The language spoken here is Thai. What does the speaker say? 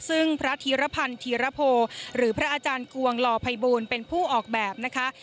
ซึ่งพระธีรพันธ์ธีรโพหรือพระอาจารย์กวงลอภัยบูลเป็นผู้ออกแบบนะคะ